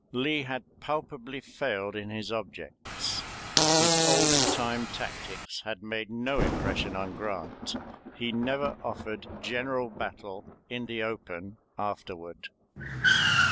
Lee had palpably failed in his objects. His old time tactics had made no impression on Grant. He never offered general battle in the open afterward.